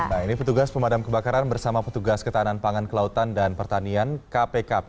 nah ini petugas pemadam kebakaran bersama petugas ketahanan pangan kelautan dan pertanian kpkp